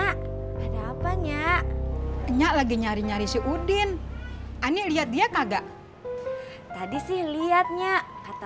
saya pembukaan nggak bisa kedenger sama weret